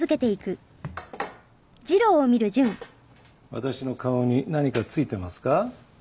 私の顔に何か付いてますか？